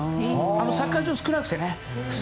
サッカー場が少なくて。